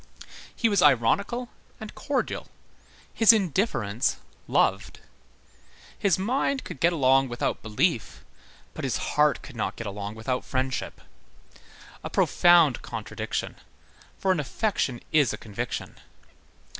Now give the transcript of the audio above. He was ironical and cordial. His indifference loved. His mind could get along without belief, but his heart could not get along without friendship. A profound contradiction; for an affection is a conviction.